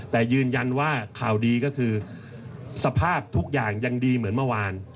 แต่ยืนยันว่าข่าวดีก็คือสภาพทุกอย่างยังดีเหมือนเมื่อวาน